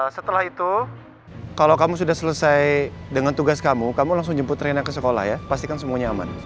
setelah itu kalau kamu sudah selesai dengan tugas kamu kamu langsung jemput rina ke sekolah ya pastikan semuanya aman